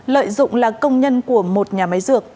lợi dụng là công nhân của một nhà máy dược